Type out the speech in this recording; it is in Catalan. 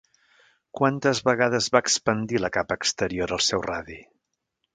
Quantes vegades va expandir la capa exterior el seu radi?